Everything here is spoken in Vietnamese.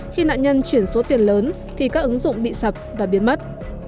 khi nạn nhân chuyển số tiền lớn thì các ứng dụng bị sập và biến mất